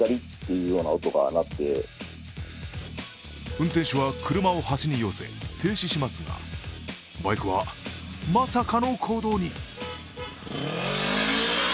運転手は車を端に寄せ停止しますがバイクはまさかの行動に。